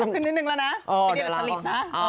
ขึ้นนิดนึงแล้วนะ